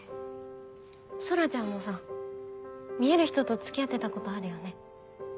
空ちゃんもさ見える人と付き合ってたことあるよね？